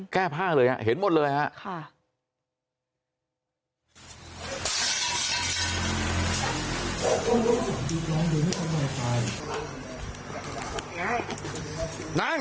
แก้ผ้าเลยเห็นหมดเลยฮะ